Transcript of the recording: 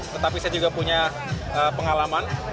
tetapi saya juga punya pengalaman